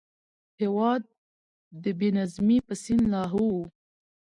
هېواد د بې نظمۍ په سین کې لاهو و.